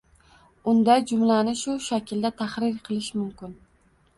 Unda jumlani bu shaklda tahrir qilish mumkin